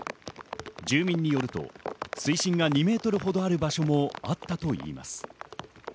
住民によると、水深が２ｍほどある場所もあったといいます。